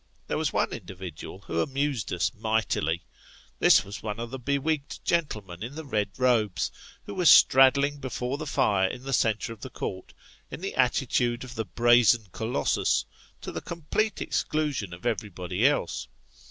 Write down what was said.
There was one individual who amused us mightily. This was one of the bewigged gentlemen in the red robes, who was straddling before the fire in the centre of the Court, in the attitude of the brazen Colossus, to the complete exclusion of everybody else.